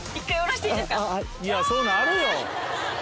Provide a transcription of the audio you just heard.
いやそうなるよ！